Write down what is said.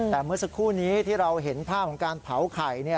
แต่เมื่อสักครู่นี้ที่เราเห็นภาพของการเผาไข่